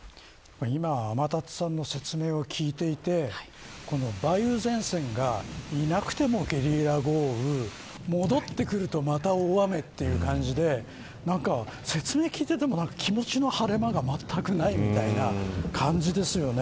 今、天達さんの説明を聞いていて梅雨前線がいなくてもゲリラ豪雨戻ってくるとまた大雨という感じで説明を聞いていても気持ちの晴れ間がまったくないみたいな感じですよね。